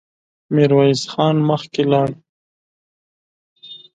ميرويس خان مخکې لاړ.